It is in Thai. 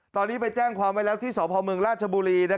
ตอนนี้ไปแจ้งความไว้แล้วที่สพเมืองราชบุรี